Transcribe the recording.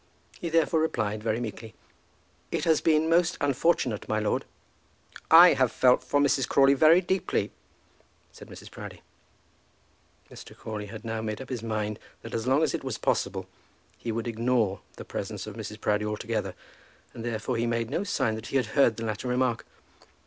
He, therefore, replied very meekly, "It has been most unfortunate, my lord." "I have felt for Mrs. Crawley very deeply," said Mrs. Proudie. Mr. Crawley had now made up his mind that as long as it was possible he would ignore the presence of Mrs. Proudie altogether; and, therefore, he made no sign that he had heard the latter remark.